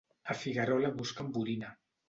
A Figuerola busquen borina.